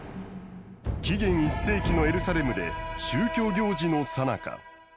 紀元１世紀のエルサレムで宗教行事のさなか。